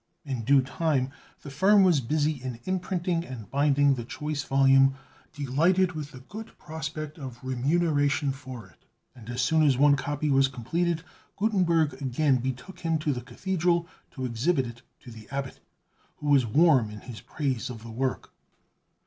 In due time the firm was busy in imprinting and binding the choice volume, delighted with the good prospect of remuneration for it; and as soon as one copy was completed, Gutenberg again betook him to the Cathedral to exhibit it to the Abbot, who was warm in his praise of the work.